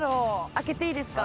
開けていいですか？